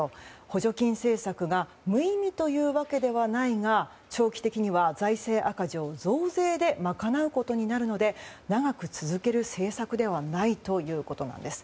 補助金政策が無意味というわけではないが長期的には財政赤字を増税で賄うことになるので長く続ける政策ではないということなんです。